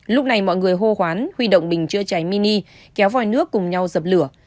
lúc này mọi người hô hoán huy động bình chữa cháy mini kéo vòi nước cùng nhau dập lửa